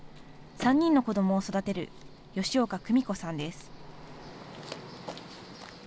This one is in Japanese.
３人の子どもを育てる吉岡久美子さんです。